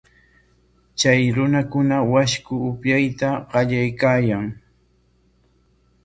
Chay runakuna washku upyayta qallaykaayan.